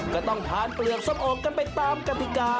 ก็ต้องทานเปลือกส้มโอกกันไปตามกติกา